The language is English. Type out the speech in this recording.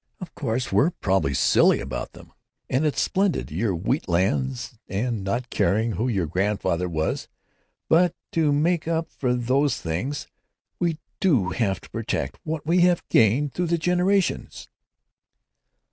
Of course we're probably silly about them, and it's splendid, your wheat lands, and not caring who your grandfather was; but to make up for those things we do have to protect what we have gained through the generations."